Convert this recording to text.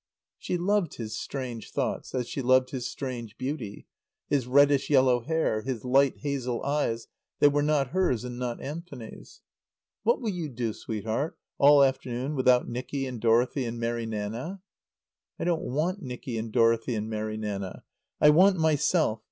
She loved his strange thoughts as she loved his strange beauty, his reddish yellow hair, his light hazel eyes that were not hers and not Anthony's. "What will you do, sweetheart, all afternoon, without Nicky and Dorothy and Mary Nanna?" "I don't want Nicky and Dorothy and Mary Nanna. I want Myself.